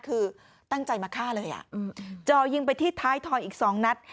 คือตั้งใจมาฆ่าเลยจ่อยิงไปที่ท้ายทอยอีก๒นัด